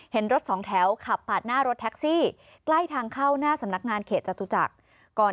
เห็นรถสองแถวขับปาดหน้ารถแท็กซี่ใกล้ทางเข้าหน้าสำนักงานเขตจตุจักร